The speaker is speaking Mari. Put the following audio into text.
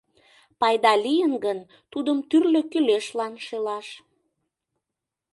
Пайда лийын гын, тудым тӱрлӧ кӱлешлан шелаш.